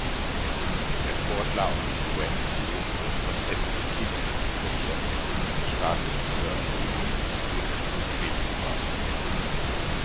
Der Sportler aus Joensuu wird von Esko Kinnunen trainiert und startet für "Oulun Hiihtoseura".